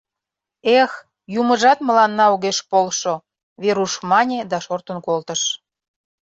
— Эх, юмыжат мыланна огеш полшо, — Веруш мане да шортын колтыш.